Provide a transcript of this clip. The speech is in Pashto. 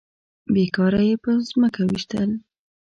بې کاره يې په ځمکه ويشتل.